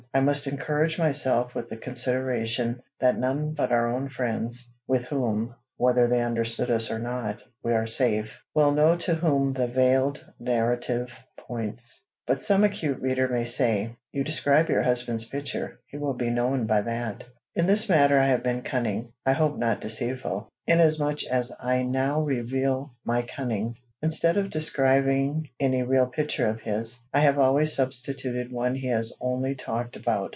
I must encourage myself with the consideration that none but our own friends, with whom, whether they understood us or not, we are safe, will know to whom the veiled narrative points. But some acute reader may say, "You describe your husband's picture: he will be known by that." In this matter I have been cunning I hope not deceitful, inasmuch as I now reveal my cunning. Instead of describing any real picture of his, I have always substituted one he has only talked about.